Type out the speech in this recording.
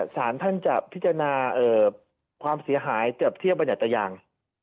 สารท่านจะพิจารณาความเสียหายจับเทียบบัญญัติตายาง